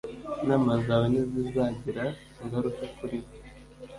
Inama zawe ntizizagira ingaruka kuri bo